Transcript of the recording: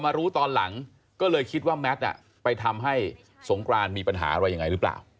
รู้ตอนหลังก็เลยคิดว่าแมทไปทำให้สงกรานมีปัญหาอะไรยังไงหรือเปล่า